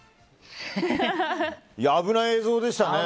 危ない映像でしたね。